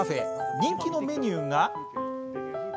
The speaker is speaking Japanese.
人気のメニューが。